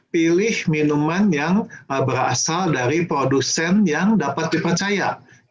pilih minuman yang berasal dari produsen yang dapat dipercaya